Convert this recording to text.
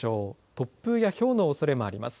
突風やひょうのおそれもあります。